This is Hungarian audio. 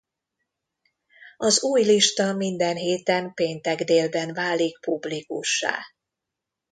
Az új lista minden héten péntek délben válik publikussá.